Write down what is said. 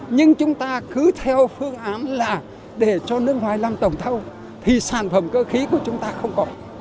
nhưng chúng ta cứ theo phương án là để cho nước ngoài làm tổng thầu thì sản phẩm cơ khí của chúng ta không có